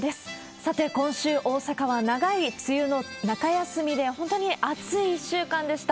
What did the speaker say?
さて、今週、大阪は長い梅雨の中休みで、本当に暑い１週間でした。